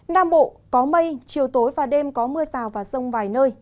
nam bộ có mây chiều tối và đêm có mưa rào và rông vài nơi